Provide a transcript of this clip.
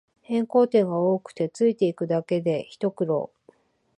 変更点が多くてついていくだけでひと苦労